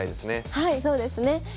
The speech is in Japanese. はいそうですね。